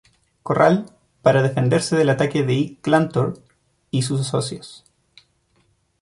Corral, para defenderse del ataque de Ike Clanton y sus socios.